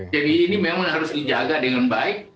jadi ini memang harus dijaga dengan baik